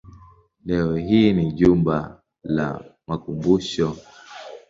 Leo hii ni jumba la makumbusho.